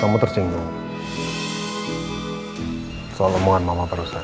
kamu tersinggung soal lembongan mama barusan